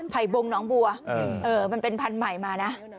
ไผ่บงหนองบัวเออมันเป็นพันธุ์ใหม่มานะ